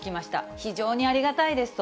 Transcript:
非常にありがたいですと。